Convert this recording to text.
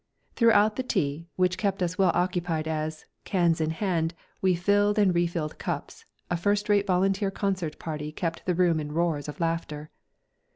Throughout the tea, which kept us well occupied as, cans in hand, we filled and refilled cups, a first rate volunteer concert party kept the room in roars of laughter.